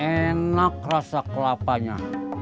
enak rasa kelapanya